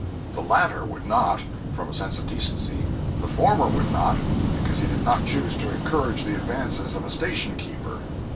The latter would not, from a sense of decency; the former would not, because he did not choose to encourage the advances of a station keeper.